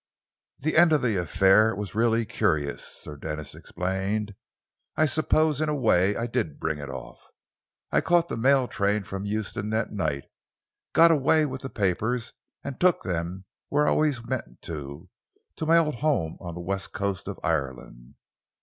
"The end of the affair was really curious," Sir Denis explained. "I suppose, in a way, I did bring it off. I caught the mail train from Euston that night, got away with the papers and took them where I always meant to to my old home on the west coast of Ireland.